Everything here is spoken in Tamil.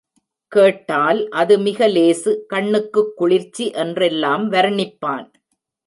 கேட்டால், அது மிக லேசு கண்ணுக்குக் குளிர்ச்சி என்றெல்லாம் வர்ணிப்பான்.